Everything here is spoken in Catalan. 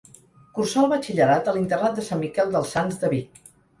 Cursà el batxillerat a l'internat de Sant Miquel dels Sants de Vic.